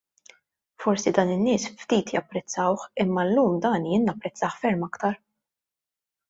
Forsi dan in-nies ftit japprezzawh imma llum dan jien napprezzah ferm aktar!